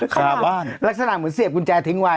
ขาบ้านลักษณะเหมือนเสียบกุญแจทิ้งไว้